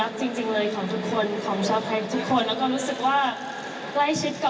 แล้วก็รู้สึกถึงทุกอย่างที่พี่ทุกคนได้ทำให้มาริยา